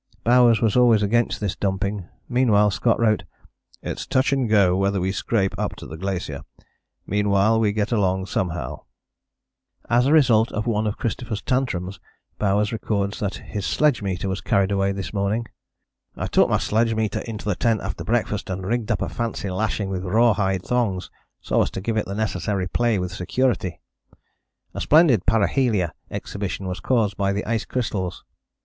Bowers was always against this dumping. Meanwhile Scott wrote: "It's touch and go whether we scrape up to the glacier; meanwhile we get along somehow." [Illustration: PARHELIA E. A. Wilson, del.] As a result of one of Christopher's tantrums Bowers records that his sledge meter was carried away this morning: "I took my sledge meter into the tent after breakfast and rigged up a fancy lashing with raw hide thongs so as to give it the necessary play with security. A splendid parhelia exhibition was caused by the ice crystals.